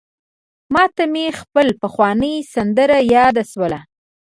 ماته مي خپله پخوانۍ سندره یاده سوله: